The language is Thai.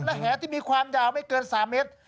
และแหที่มีความยาวไม่เกิน๓เมตร